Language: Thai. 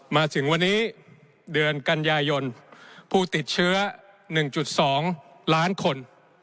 มาถึงวันนี้เดือนกันยายนผู้ติดเชื้อ๑๒ล้านคน